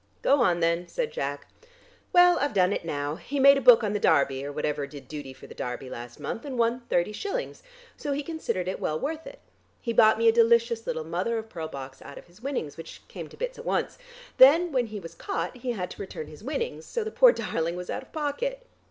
"Go on, then," said Jack. "Well, I've done it now. He made a book on the Derby, or whatever did duty for the Derby last month, and won thirty shillings, so he considered it well worth it. He bought me a delicious little mother of pearl box out of his winnings, which came to bits at once. Then, when he was caught, he had to return his winnings, so the poor darling was out of pocket!"